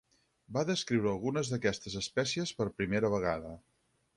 Va descriure algunes d'aquestes espècies per primera vegada.